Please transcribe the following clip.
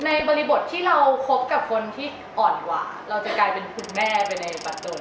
บริบทที่เราคบกับคนที่อ่อนกว่าเราจะกลายเป็นคุณแม่ไปในปัจจุบัน